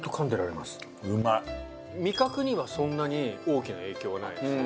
味覚にはそんなに大きな影響はないですね。